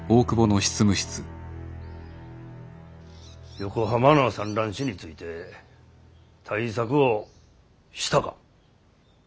横浜の蚕卵紙について対策をしたか。